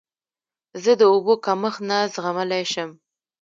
زه د اوبو کمښت نه زغملی شم.